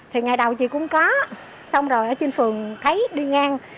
thì ngày đầu chị cũng có xong rồi ở trên phường thấy đi ngang